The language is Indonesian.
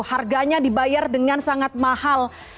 harganya dibayar dengan sangat mahal